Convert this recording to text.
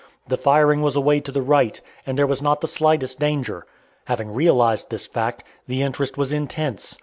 The firing was away to the right, and there was not the slightest danger. Having realized this fact, the interest was intense.